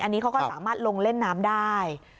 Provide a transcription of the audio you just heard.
อันนี้เขาก็สามารถลงเล่นน้ำได้